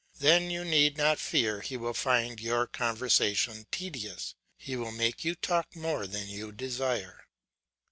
Then you need not fear he will find your conversation tedious; he will make you talk more than you desire.